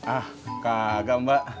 ah kagak mbak